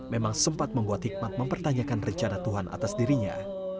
memang sempat membuat hikmat mempertanyakan rencana tuhan atas dirinya